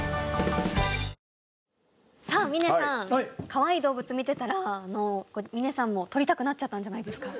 かわいい動物見てたら峰さんも撮りたくなっちゃったんじゃないですか？